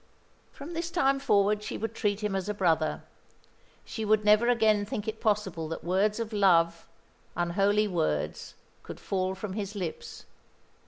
From this time forward she would treat him as a brother. She would never again think it possible that words of love, unholy words, could fall from his lips.